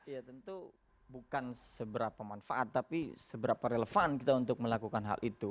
ya tentu bukan seberapa manfaat tapi seberapa relevan kita untuk melakukan hal itu